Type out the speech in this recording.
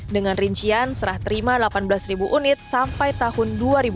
dengan rincian serah terima delapan belas unit sampai tahun dua ribu dua puluh